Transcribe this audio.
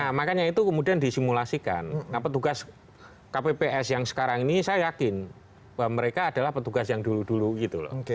nah makanya itu kemudian disimulasikan nah petugas kpps yang sekarang ini saya yakin mereka adalah petugas yang dulu dulu gitu loh